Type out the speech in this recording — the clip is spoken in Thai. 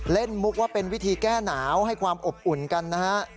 มุกว่าเป็นวิธีแก้หนาวให้ความอบอุ่นกันนะฮะ